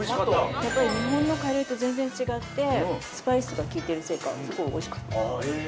やっぱり日本のカレーと全然違ってスパイスがきいてるせいかすごい美味しかったです。